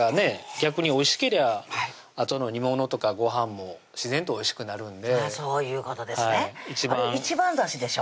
逆においしけりゃあとの煮物とかごはんも自然とおいしくなるんでそういうことですね一番だしでしょ？